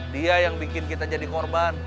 dia yang bikin kita jadi korban